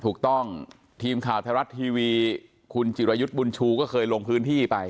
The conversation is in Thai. ทีมข่าวไทยรัฐทีวีคุณจิรายุทธ์บุญชูก็เคยลงพื้นที่ไป